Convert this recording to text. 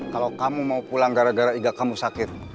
kalau kamu mau pulang gara gara iga kamu sakit